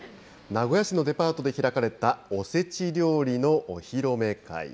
名古屋市のデパートで開かれたおせち料理のお披露目会。